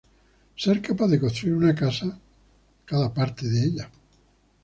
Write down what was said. Ser capaz de construir una casa, cada parte de ella.